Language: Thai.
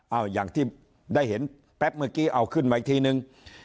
เอาอย่างที่ได้เห็นแป๊บเมื่อกี้เอาขึ้นมาอีกทีนึง